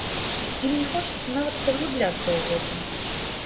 Ім не хочацца нават паглыбляцца ў гэта.